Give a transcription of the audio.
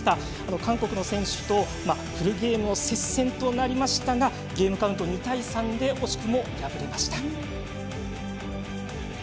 韓国の選手とフルゲームの接戦となりましたがゲームカウント２対３で惜しくも敗れました。